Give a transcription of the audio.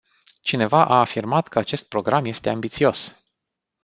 Cineva a afirmat că acest program este ambițios.